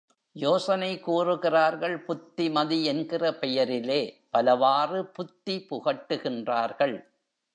யோசனை கூறுகிறார்கள் புத்திமதி என்கிற பெயரிலே, பலவாறு புத்தி புகட்டுகின்றார்கள்.